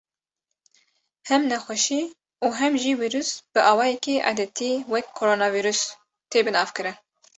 Hem nexweşî û hem jî vîrus bi awayekî edetî wek “koronavîrus” tê binavkirin.